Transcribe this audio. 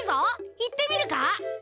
行ってみるか？